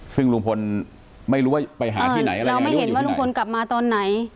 ซึ่งลุงพลไม่รู้ว่าไปหาที่ไหนอะไรเราไม่เห็นว่าลุงพลกลับมาตอนไหน